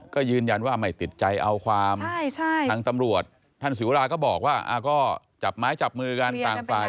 ก็ยืนยันว่าไม่ติดใจเอาความทางตำรวจท่านศิวราก็บอกว่าก็จับไม้จับมือกันต่างฝ่าย